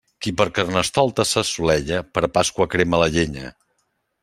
Qui per Carnestoltes s'assolella, per Pasqua crema la llenya.